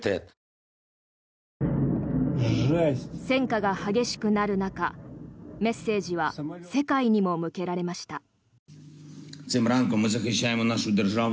戦火が激しくなる中メッセージは世界にも向けられました。